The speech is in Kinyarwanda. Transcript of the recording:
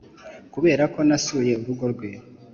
kuberako nasuye urugo rwe,